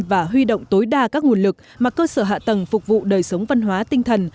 và huy động tối đa các nguồn lực mà cơ sở hạ tầng phục vụ đời sống văn hóa tinh thần